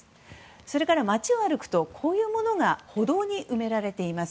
それから街を歩くとこういうものが歩道に埋められています。